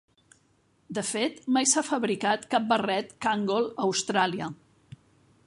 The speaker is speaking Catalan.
De fet, mai s'ha fabricat cap barret Kangol a Austràlia.